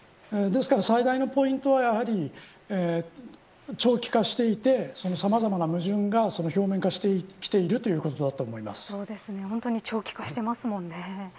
ですから最大のポイントは、やはり長期化していてさまざまな矛盾が表面化してきている本当に長期化していますもんね。